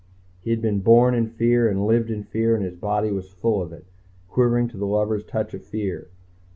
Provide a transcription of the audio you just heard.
He had been born in fear and lived in fear and his body was full of it, quivering to the lover's touch of fear.